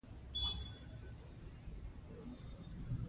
خپلې پلاستیکي کڅوړې په دښتو کې مه پریږدئ.